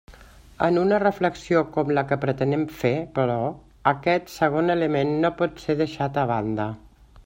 En una reflexió com la que pretenem fer, però, aquest segon element no pot ser deixat a banda.